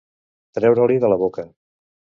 Treure-li de la boca.